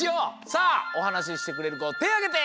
さあおはなししてくれるこてあげて。